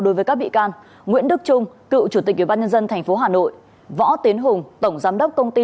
đối với các bị can nguyễn đức trung cựu chủ tịch ủy ban nhân dân tp hà nội võ tiến hùng tổng giám đốc công ty